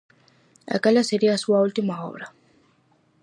Aquela sería a súa última obra.